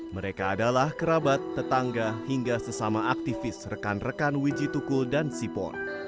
mereka adalah kerabat tetangga hingga sesama aktivis rekan rekan wijitukul dan sipon